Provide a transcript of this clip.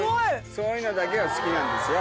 そういうのだけは好きなんですよ。